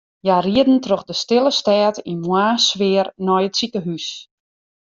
Hja rieden troch de stille stêd yn moarnssfear nei it sikehús.